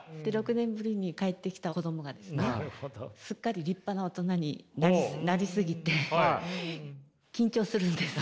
６年ぶりに帰ってきた子供がですねすっかり立派な大人になり過ぎて緊張するんです。